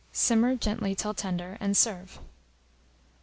Simmer gently till tender, and serve.